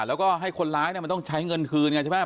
แล้วก็ให้คนร้ายมันต้องใช้เงินคืนไงใช่ไหม